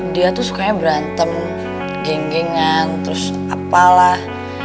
dia tuh sukanya berantem genggengan terus apalah